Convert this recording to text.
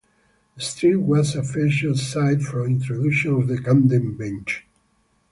The street was a "Feature site" for introduction of the Camden bench.